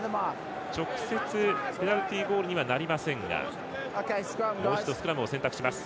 直接ペナルティゴールにはなりませんがもう一度、スクラムを選択します。